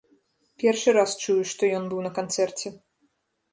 Першы раз чую, што ён быў на канцэрце.